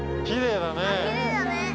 きれいだね。